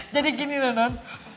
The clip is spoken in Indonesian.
jadi gini loh non